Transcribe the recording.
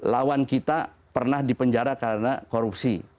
lawan kita pernah dipenjara karena korupsi